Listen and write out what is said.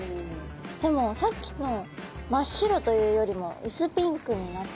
でもさっきの真っ白というよりも薄ピンクになってきた。